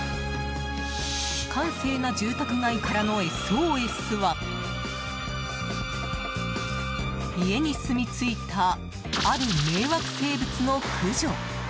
閑静な住宅街からのＳＯＳは家にすみついたある迷惑生物の駆除。